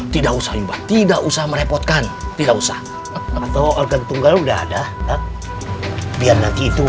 tidak usah limbah tidak usah merepotkan tidak usah atau organ tunggal udah ada biar nanti itu